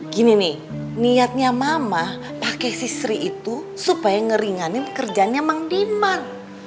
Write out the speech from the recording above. gini nih niatnya mama pake sisri itu supaya ngeringanin kerjaannya mang diman